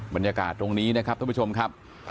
บรรยากาศตรงนี้นะครับท่านผู้ชมครับ